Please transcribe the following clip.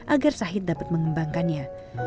agar sahid dapat mengembangkannya